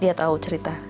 dia tahu cerita